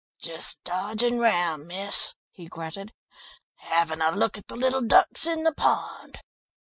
"Just dodging round, miss," he grunted. "Having a look at the little ducks in the pond."